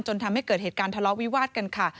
ทำให้เกิดเหตุการณ์ทะเลาะวิวาดกันค่ะ